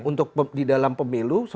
untuk di dalam pemilu